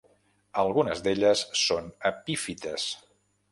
Algunes d'elles són epífites.